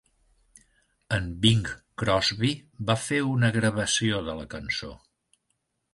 En Bing Crosby va fer una gravació de la cançó.